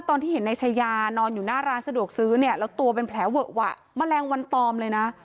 ตอนที่เห็นนายชายานอนอยู่หน้าร้านสะดวกซื้อเนี่ยแล้วตัวเป็นแผลเวอะหวะแมลงวันตอมเลยนะ